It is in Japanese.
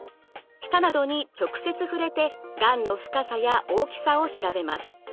舌などに直接触れてがんの深さや大きさを調べます。